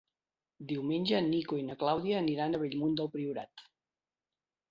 Diumenge en Nico i na Clàudia aniran a Bellmunt del Priorat.